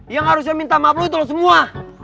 yang harusnya minta maaf lu itu lu semua